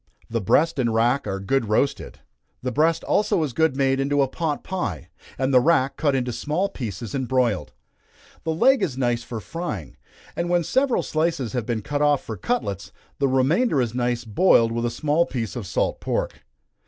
The breast and rack are good roasted. The breast also is good made into a pot pie, and the rack cut into small pieces and broiled. The leg is nice for frying, and when several slices have been cut off for cutlets, the remainder is nice boiled with a small piece of salt pork.